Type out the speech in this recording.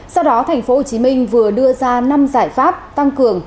sau đó tp hcm vừa đưa ra năm giải pháp tăng cường